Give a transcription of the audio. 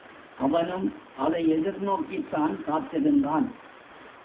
அவனும் அதை எதிர் நோக்கித்தான் காத்திருந்தான்.